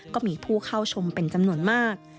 ก็มีผู้เข้าชมเป็นจำนวนมาก